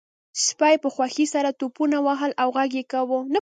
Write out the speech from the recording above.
سپي په خوښۍ سره ټوپونه وهل او غږ یې کاوه